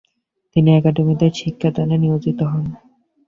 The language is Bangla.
তিনি একাডেমিতে শিক্ষাদানে নিয়োজিত হন।